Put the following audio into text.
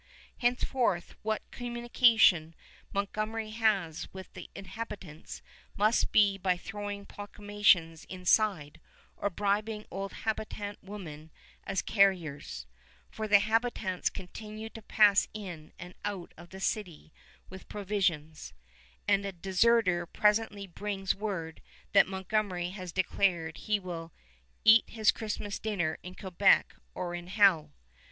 Henceforth what communication Montgomery has with the inhabitants must be by throwing proclamations inside or bribing old habitant women as carriers, for the habitants continue to pass in and out of the city with provisions; and a deserter presently brings word that Montgomery has declared he will "eat his Christmas dinner in Quebec or in Hell!"